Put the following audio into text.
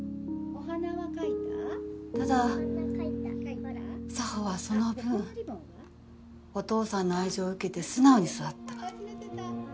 お鼻描いた（沙帆はその分お父さんの愛情を受けて素直に育った。